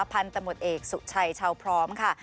พันธมตเอกสุชัยชาวพร้อมค่ะ